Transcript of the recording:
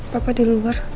papa di luar